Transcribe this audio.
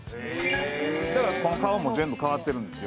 だから顔も全部替わってるんですよ。